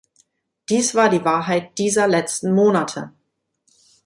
Dies war die Wahrheit dieser letzten Monate.